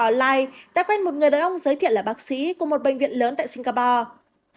online đã quen một người đàn ông giới thiệu là bác sĩ của một bệnh viện lớn tại singapore